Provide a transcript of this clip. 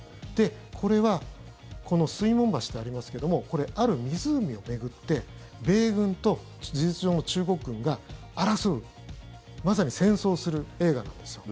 これは、この水門橋とありますがある湖を巡って米軍と事実上の中国軍が争うまさに戦争する映画なんですよ。